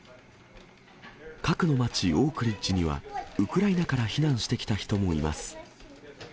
核の町、オークリッジには、ウクライナから避難してきた人もいます。